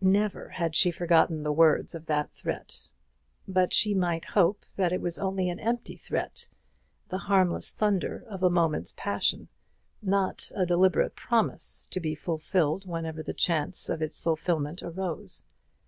Never had she forgotten the words of that threat. But she might hope that it was only an empty threat, the harmless thunder of a moment's passion; not a deliberate promise, to be fulfilled whenever the chance of its fulfilment arose.